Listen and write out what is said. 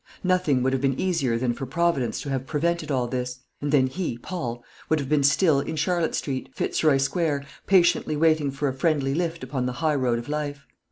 Nothing would have been easier than for Providence to have prevented all this; and then he, Paul, would have been still in Charlotte Street, Fitzroy Square, patiently waiting for a friendly lift upon the high road of life.